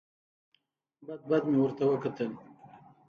بد بد مې ورته وکتل.